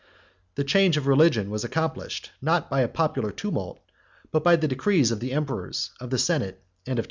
The change of religion was accomplished, not by a popular tumult, but by the decrees of the emperors, of the senate, and of time.